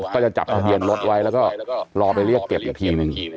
ตะเบี๋ยนรถไว้แล้วก็รอไปเรียกเก็บอีกทีนึง